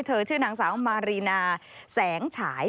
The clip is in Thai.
ชื่อนางสาวมารีนาแสงฉาย